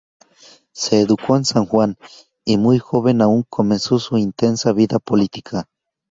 Se educó en San Juan, y muy joven aún, comenzó su intensa vida política.